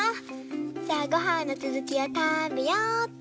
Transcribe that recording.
じゃあごはんのつづきをたべよっと。